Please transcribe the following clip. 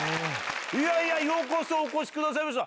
ようこそお越しくださいました。